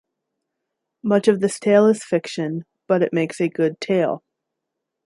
Much of this tale is fiction, but it makes a good tale.